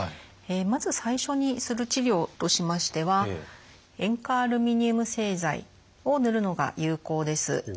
まず最初にする治療としましては塩化アルミニウム製剤を塗るのが有効です。